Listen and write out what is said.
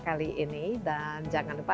kali ini dan jangan lupa